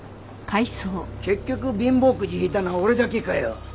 結局貧乏くじ引いたのは俺だけかよ。